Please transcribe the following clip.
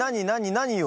何よ？